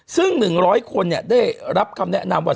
ซึ่งต้องร้อยคนยะได้รับคำแนะนำว่า